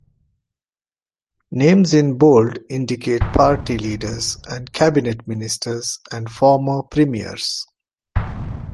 Names in bold indicate party leaders and cabinet ministers and former premiers.